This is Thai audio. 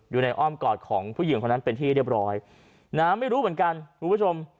อ้อมกอดของผู้หญิงคนนั้นเป็นที่เรียบร้อยนะไม่รู้เหมือนกันคุณผู้ชม